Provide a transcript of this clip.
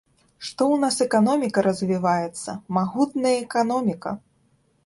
Што ў нас эканоміка развіваецца, магутная эканоміка!